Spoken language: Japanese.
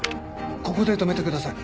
ここで止めてください。